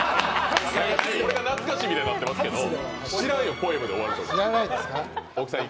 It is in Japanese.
これが懐かしいみたいになってますけど、知らんよ、ポエムで終わるの。